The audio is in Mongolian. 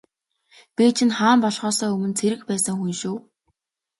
Би чинь хаан болохоосоо өмнө цэрэг байсан хүн шүү.